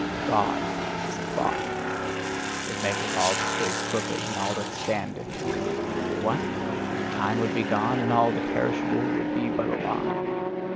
God is a thought it maketh all the straight crooked, and all that standeth reel. What? Time would be gone, and all the perishable would be but a lie?